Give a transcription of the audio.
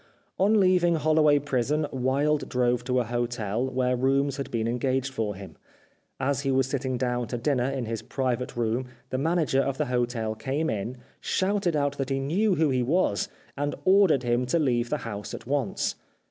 On leaving Holloway Prison Wilde drove to a hotel where rooms had been engaged for him. As he was sitting down to dinner in his private room, the manager of the hotel came in, shouted out that he knew who he was, and ordered him to leave the house at once.